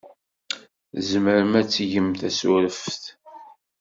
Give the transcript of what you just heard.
Tzemrem ad tgem tasureft?